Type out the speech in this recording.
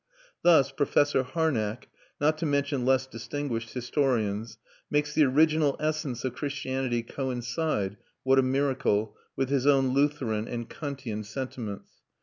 Thus Professor Harnack, not to mention less distinguished historians, makes the original essence of Christianity coincide what a miracle! with his own Lutheran and Kantian sentiments.